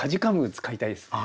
使いたいですね。